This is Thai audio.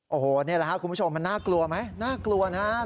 โอ้โหนี่แหละครับคุณผู้ชมมันน่ากลัวไหมน่ากลัวนะครับ